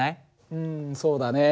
うんそうだね。